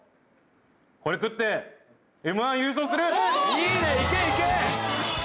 いいねいけいけ！